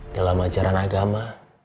dalam ajaran agama